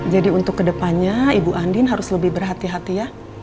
jadi untuk kedepannya ibu andin harus lebih berhati hati ya